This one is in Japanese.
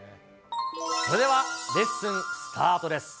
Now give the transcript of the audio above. それではレッスンスタートです。